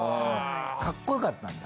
かっこよかったんだ？